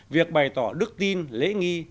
việc bày tỏ đức tin lễ nghi